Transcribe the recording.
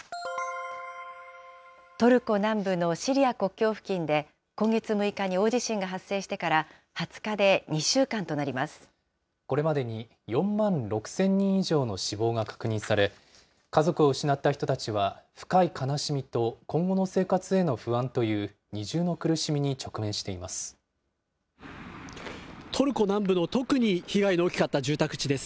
トルコ南部のシリア国境付近で今月６日に大地震が発生してから２これまでに４万６０００人以上の死亡が確認され、家族を失った人たちは、深い悲しみと今後の生活への不安という二重の苦しみに直面していトルコ南部の特に被害の大きかった住宅地です。